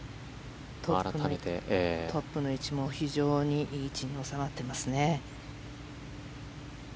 トップの位置も非常にいい位置に収まっていますね。